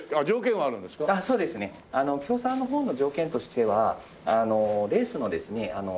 協賛の方の条件としてはレースのですね